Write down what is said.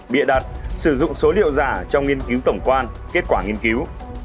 bịa đặt sử dụng số liệu giả trong nghiên cứu tổng quan kết quả nghiên cứu